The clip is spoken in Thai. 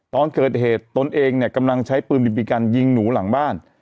ตอนเกิดเหตุตนเองเนี่ยกำลังใช้ปืนบีบีกันยิงหนูหลังบ้าน